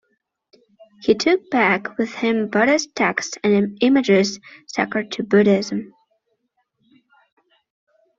He took back with him Buddhist texts and images sacred to Buddhism.